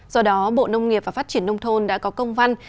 do đó bộ nông nghiệp và phát triển nông thôn đã có công văn